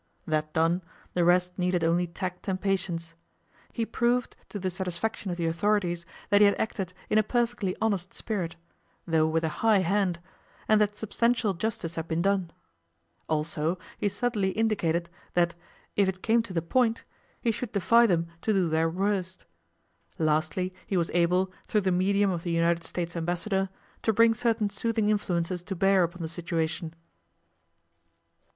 That done, the rest needed only tact and patience. He proved to the satisfaction of the authorities that he had acted in a perfectly honest spirit, though with a high hand, and that substantial justice had been done. Also, he subtly indicated that, if it came to the point, he should defy them to do their worst. Lastly, he was able, through the medium of the United States Ambassador, to bring certain soothing influences to bear upon the situation.